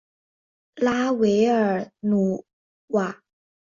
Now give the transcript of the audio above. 拉韦尔努瓦。